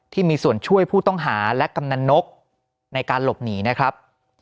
ที่มีส่วนช่วยผู้ต้องหาและกำนันนกในการหลบหนีนะครับ